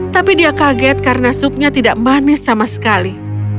tapi dia kaget karena supnya tidak manis sama sekali